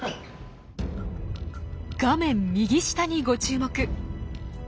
画面右下にご注目。